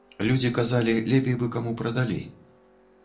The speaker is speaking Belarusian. Людзі казалі, лепей бы каму прадалі.